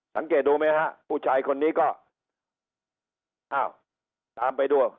สังเกตดูไหมฮะผู้ชายคนนี้ก็อ้าวตามไปดู